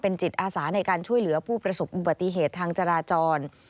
จิตอาสาในการช่วยเหลือผู้ประสบอุบัติเหตุทางจราจร